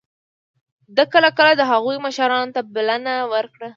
ده کله کله د هغوی مشرانو ته بلنه ورکړه.